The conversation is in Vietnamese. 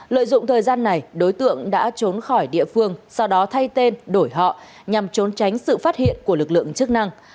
lợi dụng thời gian này đối tượng đã trốn khỏi địa phương sau đó thay tên đổi họ nhằm trốn tránh sự phát hiện của lực lượng chức năng